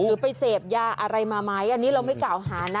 หรือไปเสพยาอะไรมาไหมอันนี้เราไม่กล่าวหานะ